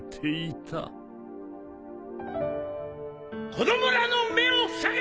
子供らの目をふさげ！